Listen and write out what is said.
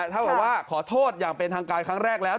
ถ้าเกิดว่าขอโทษอย่างเป็นทางการครั้งแรกแล้ว